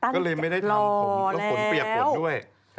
ก็เลยไม่ได้ทำผมก็ฝนเปียกฝนด้วย